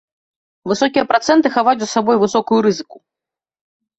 Высокія працэнты хаваюць за сабой высокую рызыку.